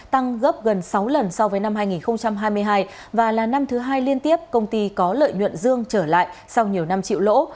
tăng gấp gần sáu lần so với năm hai nghìn hai mươi hai và là năm thứ hai liên tiếp công ty có lợi nhuận dương trở lại sau nhiều năm chịu lỗ